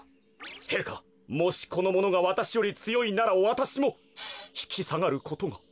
へいかもしこのものがわたしよりつよいならわたしもひきさがることが。